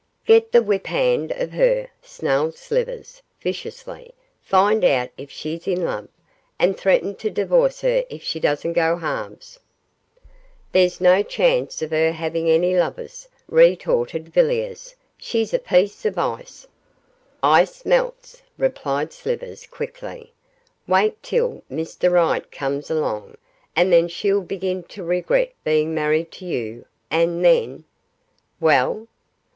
'Get the whip hand of her,' snarled Slivers, viciously; 'find out if she's in love, and threaten to divorce her if she doesn't go halves.' 'There's no chance of her having any lovers,' retorted Villiers; 'she's a piece of ice.' 'Ice melts,' replied Slivers, quickly. 'Wait till "Mr Right" comes along, and then she'll begin to regret being married to you, and then ' 'Well?